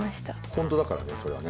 本当だからねそれはね。